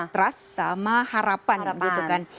trust sama harapan gitu kan